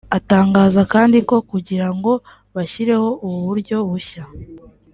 Atangaza kandi ko kugira ngo bashyireho ubu buryo bushya